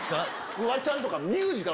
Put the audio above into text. フワちゃんとか。